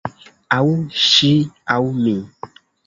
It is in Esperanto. Aŭ ŝi aŭ mi!